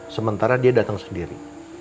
sementara dia datang sendiri